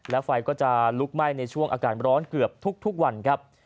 และไฟก็จะลุกไหม้ในช่วงอากาศร้อนเกือบทุกวันครับ